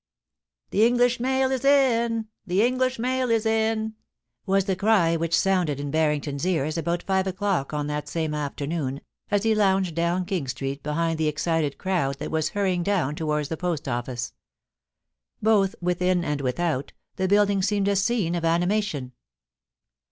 ' Tkr English mail is in ! The English mail is in !' woa the cry which sounded in Banington's ears about five o'clock on that same afternoon, as he lounged down King Street behind the excited crowd that was hurrying down towards the Post Office. Both within and without, the building seemed a scene of animation.